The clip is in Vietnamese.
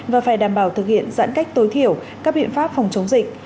và phải đảm bảo thực hiện giãn cách tối thiểu các biện pháp phòng chống dịch